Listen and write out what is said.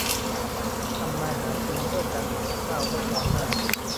ทำมาหากินด้วยการปลูกข้าวและทอผ้า